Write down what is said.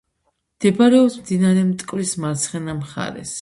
მდებარეობს მდინარე მტკვრის მარცხენა მხარეს.